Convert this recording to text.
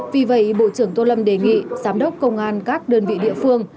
vì vậy bộ trưởng tô lâm đề nghị giám đốc công an các đơn vị địa phương